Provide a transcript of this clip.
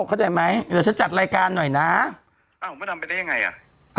เข้าใจไหมเดี๋ยวฉันจัดรายการหน่อยนะอ้าวมดดำไปได้ยังไงอ่ะ